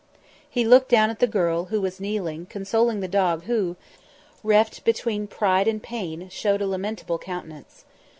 He looked down at the girl, who was kneeling, consoling the dog, who, reft 'tween pride and pain, showed a lamentable countenance.